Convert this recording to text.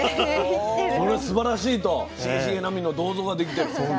これすばらしいと茂重波の銅像ができてる。